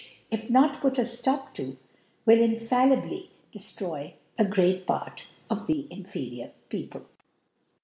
( 2S ) ^idi, if not put a Scop to, will infallibly dcftroy a great Part of the inferiour People.